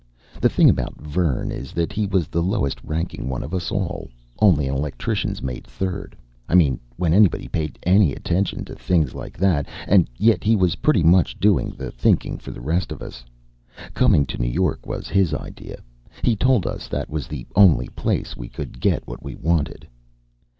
The thing about Vern is that he was the lowest ranking one of us all only an electricians' mate third, I mean when anybody paid any attention to things like that and yet he was pretty much doing the thinking for the rest of us. Coming to New York was his idea he told us that was the only place we could get what we wanted.